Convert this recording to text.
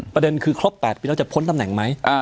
ประเด็นคือครบ๘ปีแล้วจะพ้นตำแหน่งไหม